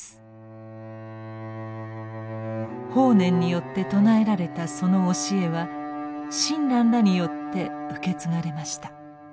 法然によって称えられたその教えは親鸞らによって受け継がれました。